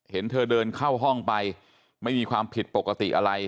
เห็นเธอเดินเข้าห้องไปไม่มีความผิดปกติอะไร